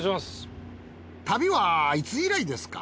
旅はいつ以来ですか？